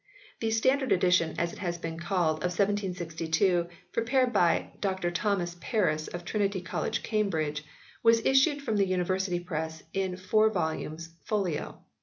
The "Standard Edition," as it has been called, of 1762, prepared by Dr Thomas Paris of Trinity College, Cambridge, was issued from the University Press in four volumes, folio.